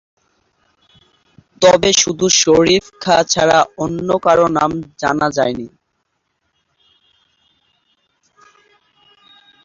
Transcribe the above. তবে শুধু শরীফ খাঁ ছাড়া অন্য কারো নাম জানা যায়নি।